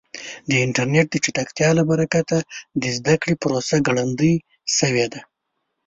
د انټرنیټ د چټکتیا له برکته د زده کړې پروسه ګړندۍ شوې ده.